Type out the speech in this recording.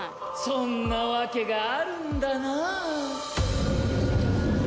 そんなわけがあるんだなあ。